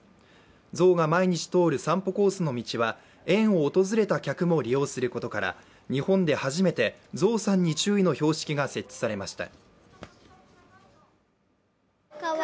ゾウが毎日通る散歩コースの道は園を訪れた客も利用することから日本で初めて「ぞうさんに注意」の標識が設置されました。